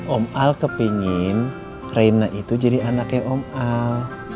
om al kepengen reina itu jadi anaknya om al